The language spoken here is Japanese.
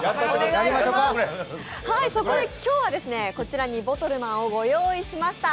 そこで今日はこちらにボトルマンをご用意しました。